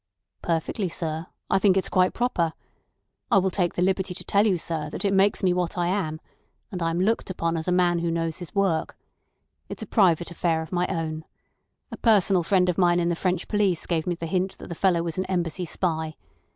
"Perfectly, sir. I think it's quite proper. I will take the liberty to tell you, sir, that it makes me what I am—and I am looked upon as a man who knows his work. It's a private affair of my own. A personal friend of mine in the French police gave me the hint that the fellow was an Embassy spy.